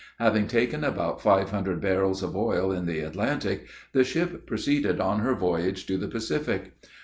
Having taken about five hundred barrels of oil in the Atlantic, the ship proceeded on her voyage to the Pacific.